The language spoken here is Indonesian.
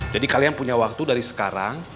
jadi kalian punya waktu dari sekarang